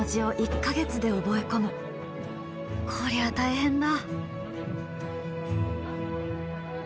こりゃ大変だ！